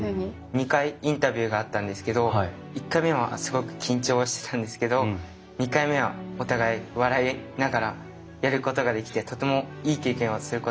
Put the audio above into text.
２回インタビューがあったんですけど１回目はすごく緊張してたんですけど２回目はお互い笑いながらやることができてとてもいい経験をすることができました。